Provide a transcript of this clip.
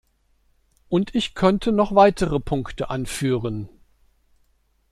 Und ich könnte noch weitere Punkte anführen.